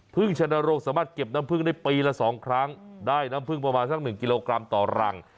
ชนโรงสามารถเก็บน้ำพึ่งได้ปีละ๒ครั้งได้น้ำพึ่งประมาณสัก๑กิโลกรัมต่อรัง